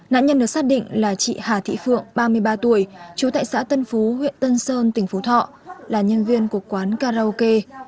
nạn nhân được xác định là chị hà thị phượng ba mươi ba tuổi chú tại xã tân phú huyện tân sơn tỉnh phú thọ là nhân viên của quán karaoke